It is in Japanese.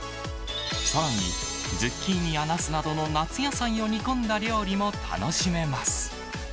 さらに、ズッキーニやナスなどの夏野菜を煮込んだ料理も楽しめます。